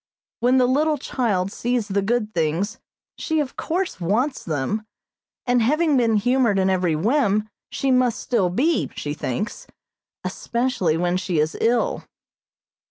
When the little child sees the good things, she, of course, wants them, and having been humored in every whim, she must still be, she thinks, especially when she is ill.